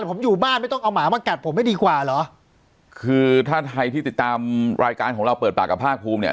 ผมอยู่บ้านไม่ต้องเอาหมามากัดผมให้ดีกว่าเหรอคือถ้าใครที่ติดตามรายการของเราเปิดปากกับภาคภูมิเนี่ย